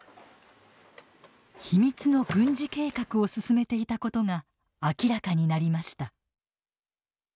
秘密の軍事計画を進めていたことが明らかになりました。